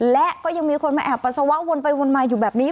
และก็ยังมีคนมาแอบปัสสาวะวนไปวนมาอยู่แบบนี้